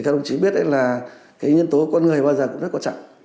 các đồng chí biết là nhân tố của con người bao giờ cũng rất quan trọng